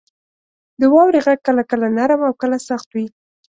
• د واورې غږ کله کله نرم او کله سخت وي.